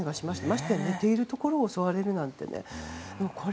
ましてや寝ているところを襲われるなんて。